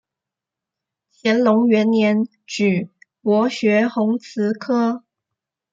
乾隆元年举博学鸿词科。